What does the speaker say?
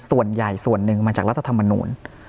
ส่วนใหญ่ส่วนหนึ่งมาจากรัฐธรรมนูล